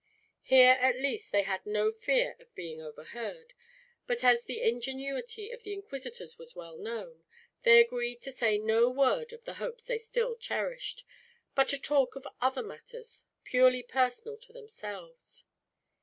Here, at least, they had no fear of being overheard; but as the ingenuity of the inquisitors was well known, they agreed to say no word of the hopes they still cherished; but to talk of other matters, purely personal to themselves.